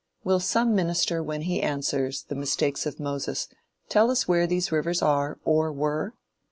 Will some minister when he answers the "Mistakes of Moses" tell us where these rivers are or were?